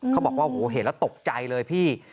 เขาบอกว่าโหเห็นแล้วตกใจเลยพี่